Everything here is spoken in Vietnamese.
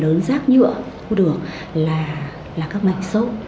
ở trên vịnh